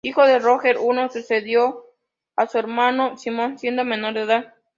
Hijo de Roger I, sucedió a su hermano Simón siendo menor de edad.